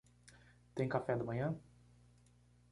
Tem café da manhã?